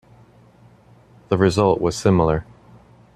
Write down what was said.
The result was similar.